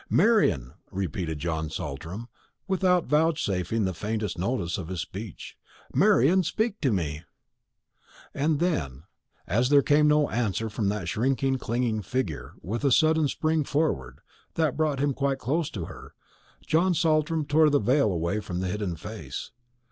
"Marian!" repeated John Saltram, without vouchsafing the faintest notice of this speech. "Marian, speak to me!" And then, as there came no answer from that shrinking clinging figure, with a sudden spring forward, that brought him quite close to her, John Saltram tore the veil away from the hidden face.